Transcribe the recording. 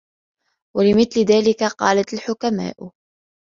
وَلِمِثْلِ ذَلِكَ قَالَتْ الْحُكَمَاءُ